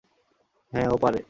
হ্যাঁ, ও পারে।